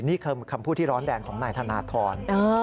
นี่คือคำพูดที่ร้อนแดงของนายธนทร